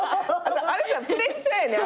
あれさプレッシャーやねん。